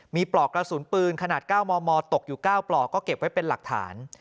มีปลอกกระสุนปืนขนาด๙มมตกอยู่๙ปลอกก็เก็บไว้เป็นหลักฐาน